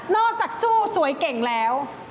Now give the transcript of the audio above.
จากสู้สวยเก่งแล้ว